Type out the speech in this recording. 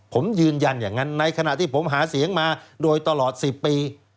ผมยืนยันอย่างนั้นในขณะที่ผมหาเสียงมาโดยตลอด๑๐ปี